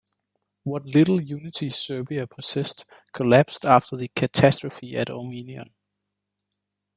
What little unity Serbia possessed collapsed after the catastrophe at Ormenion.